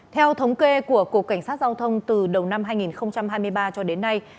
theo thống kê của cục cảnh sát giao thông từ đầu năm hai nghìn hai mươi ba cho đến nay